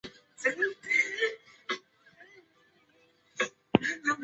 多媒体框架是一种在电脑上处理媒体并经网络传播的软件框架。